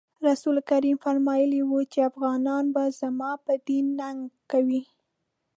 رسول کریم فرمایلي وو چې افغانان به زما پر دین ننګ کوي.